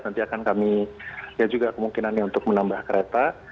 nanti akan kami lihat juga kemungkinannya untuk menambah kereta